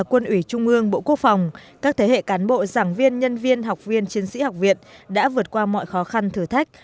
quân ủy trung ương bộ quốc phòng các thế hệ cán bộ giảng viên nhân viên học viên chiến sĩ học viện đã vượt qua mọi khó khăn thử thách